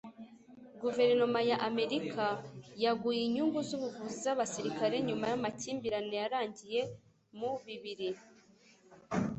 Guverinoma ya Amerika yaguye inyungu z’ubuvuzi z’abasirikare nyuma y’amakimbirane yarangiye mu bibiri